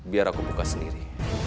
biar aku buka sendiri